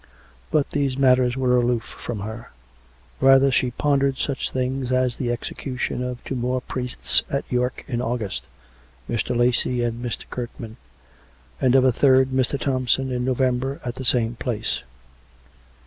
But these matters were aloof from her; rather she pondered such things as the execution of two more priests at York in August, Mr. Lacy and Mr. Kirkman, and of a third, Mr. Thompson, in November at the same place.